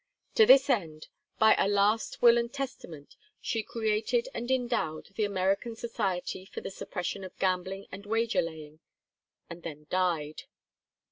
To this end, by a last will and testament she created and endowed the American Society for the Suppression of Gambling and Wager laying, and then died.